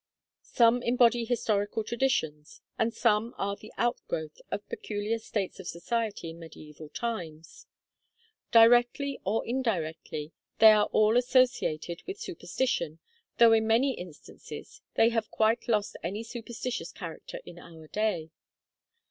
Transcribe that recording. Some embody historical traditions; and some are the outgrowth of peculiar states of society in medieval times. Directly or indirectly, they are all associated with superstition, though in many instances they have quite lost any superstitious character in our day.